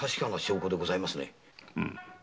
うむ。